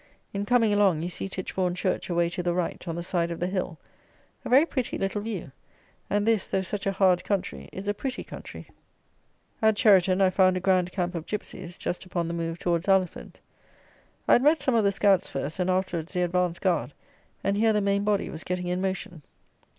In coming along you see Titchbourn church away to the right, on the side of the hill, a very pretty little view; and this, though such a hard country, is a pretty country. At Cheriton I found a grand camp of Gipsys, just upon the move towards Alresford. I had met some of the scouts first, and afterwards the advanced guard, and here the main body was getting in motion.